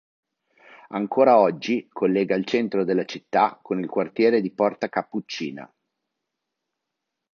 Ancora oggi collega il centro della città con il quartiere di Porta Cappuccina.